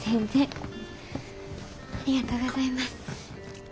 ありがとうございます。